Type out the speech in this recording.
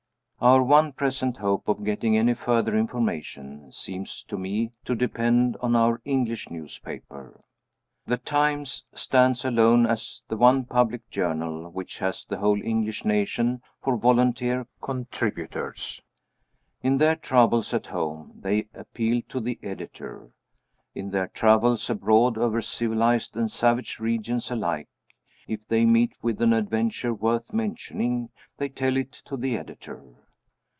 Our one present hope of getting any further information seems to me to depend on our English newspaper. The Times stands alone as the one public journal which has the whole English nation for volunteer contributors. In their troubles at home, they appeal to the Editor. In their travels abroad, over civilized and savage regions alike, if they meet with an adventure worth mentioning they tell it to the Editor.